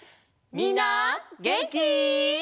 みんなげんき？